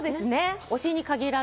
推しに限らず。